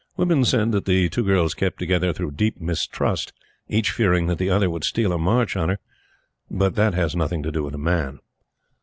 Women said that the two girls kept together through deep mistrust, each fearing that the other would steal a march on her. But that has nothing to do with a man.